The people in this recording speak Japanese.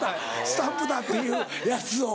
スタンプだっていうやつを。